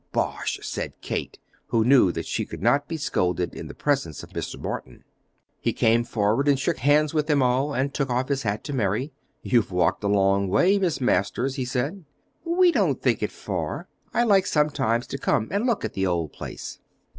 "Bosh!" said Kate, who knew that she could not be scolded in the presence of Mr. Morton. He came forward and shook hands with them all, and took off his hat to Mary. "You've walked a long way, Miss Masters," he said. "We don't think it far. I like sometimes to come and look at the old place."